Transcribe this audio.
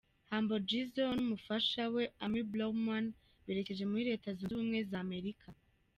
Humble G n'umufasha we Amy Blauman berekeje muri Leta Zunze Ubumwe za Amerika.